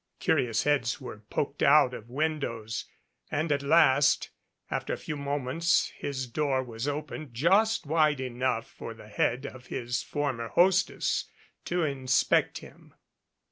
Curious heads were poked out of windows, and at last after a few moments his door was opened just wide enough for the head of his former hostess to inspect him.